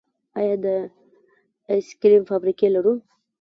آیا د آیس کریم فابریکې لرو؟